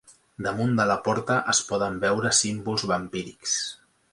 Damunt de la porta es poden veure símbols vampírics.